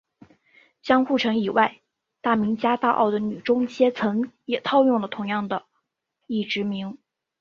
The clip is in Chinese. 江户城以外大名家大奥的女中阶层也套用了同样的役职名。